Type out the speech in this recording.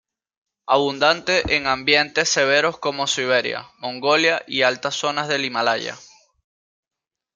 Abundante en ambientes severos como Siberia, Mongolia y altas zonas del Himalaya.